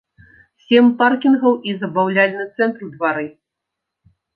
Сем паркінгаў і забаўляльны цэнтр у двары.